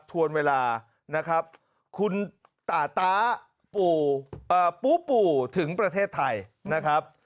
ทวนเวลานะครับคุณตาต้าปูปู่ถึงประเทศไทยนะครับ